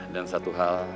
dan satu hal